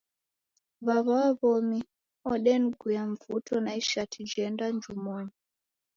W'aw'a wa w'omi odeniguiya mvuto na ishati jeenda njumonyi.